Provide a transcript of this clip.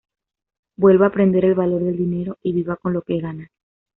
Vuelva a aprender el valor del dinero y viva con lo que gana.